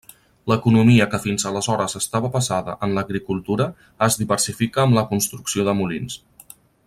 L'economia que fins aleshores estava basada en l'agricultura es diversifica amb la construcció de molins.